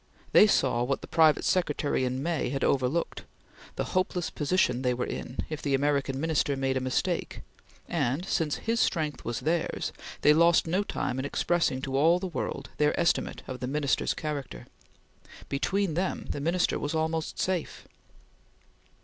They saw what the private secretary in May had overlooked, the hopeless position they were in if the American Minister made a mistake, and, since his strength was theirs, they lost no time in expressing to all the world their estimate of the Minister's character. Between them the Minister was almost safe.